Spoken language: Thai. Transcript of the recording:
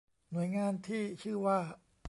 หน่วยงานที่ชื่อว่า